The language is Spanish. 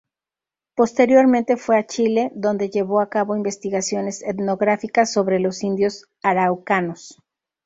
Posteriormente fue a Chile, donde llevó a cabo investigaciones etnográficas sobre los indios araucanos.